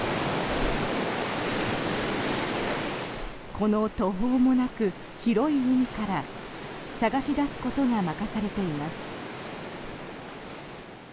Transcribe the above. この途方もなく広い海から捜し出すことが任されています。